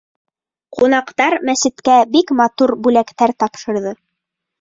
Ҡунаҡтар мәсеткә бик матур бүләктәр тапшырҙы.